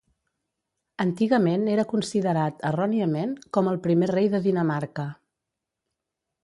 Antigament era considerat, erròniament, com al primer rei de Dinamarca.